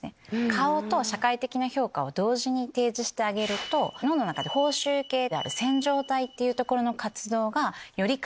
顔と社会的な評価を同時に提示してあげると脳の中で報酬系である線条体の活動がより活動する。